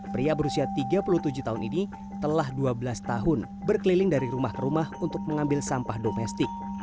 pria berusia tiga puluh tujuh tahun ini telah dua belas tahun berkeliling dari rumah ke rumah untuk mengambil sampah domestik